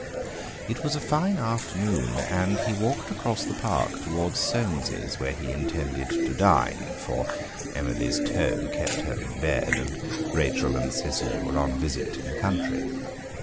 It was a fine afternoon, and he walked across the Park towards Soames's, where he intended to dine, for Emily's toe kept her in bed, and Rachel and Cicely were on a visit to the country.